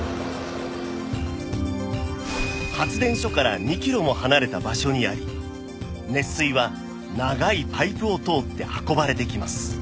発電所から２キロも離れた場所にあり熱水は長いパイプを通って運ばれてきます